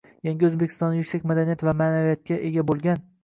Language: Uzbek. Yangi O‘zbekistonni yuksak madaniyat va ma’naviyatga ega bo‘lgan